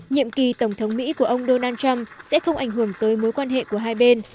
nhiệm kỳ tổng thống mỹ của ông donald trump sẽ không ảnh hưởng tới mối quan hệ của hai bên